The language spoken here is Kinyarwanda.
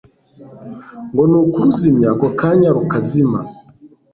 ngo ni ukuruzimya ako kanya rukazima